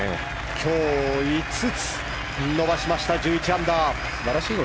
今日、５つ伸ばしました１１アンダー。